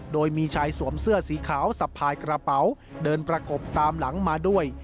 โดยมีชายสวมเสื้อสีขาวสะพายกระเป๋าเดินประกบตามหลังมาด้วย